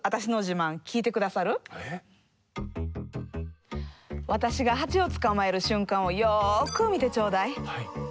では私がハチを捕まえる瞬間をよく見てちょうだい。